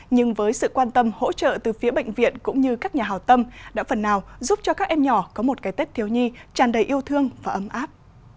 nhưng với sự quan tâm hỗ trợ từ phía bệnh viện cũng như các nhà hào tâm đã phần nào giúp cho các em nhỏ có một cái tết thiếu nhi tràn đầy yêu thương và ấm áp